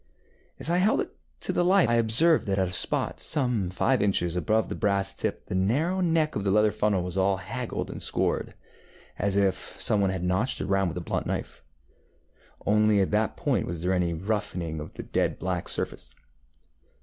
ŌĆØ As I held it to the light I observed that at a spot some five inches above the brass tip the narrow neck of the leather funnel was all haggled and scored, as if some one had notched it round with a blunt knife. Only at that point was there any roughening of the dead black surface.